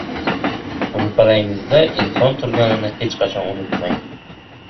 • Ro‘parangizda inson turganini hech qachon unutmang.